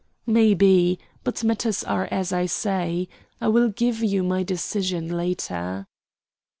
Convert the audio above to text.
"Maybe; but matters are as I say. I will give you my decision later."